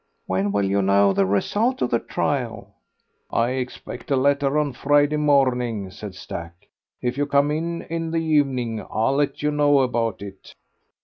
"When will you know the result of the trial?" "I expect a letter on Friday morning," said Stack. "If you come in in the evening I'll let you know about it."